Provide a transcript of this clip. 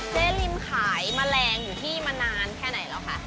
ริมขายแมลงอยู่ที่มานานแค่ไหนแล้วคะ